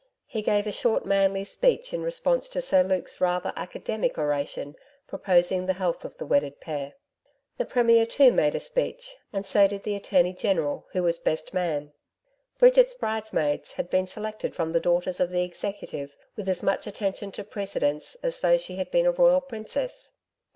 He gave a short manly speech in response to Sir Luke's rather academic oration proposing the health of the wedded pair. The Premier too made a speech, and so did the Attorney General, who was best man. Bridget's bridesmaids had been selected from the daughters of the Executive with as much attention to precedence as though she had been a royal princess.